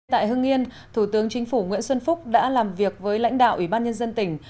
tại hưng yên thủ tướng chính phủ nguyễn xuân phúc đã làm việc với lãnh đạo ủy ban nhân dân tỉnh